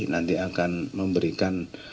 nanti akan memberikan petunjuk ke wilayah ya